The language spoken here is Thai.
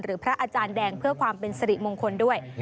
พระอาจารย์แดงเพื่อความเป็นสริมงคลด้วย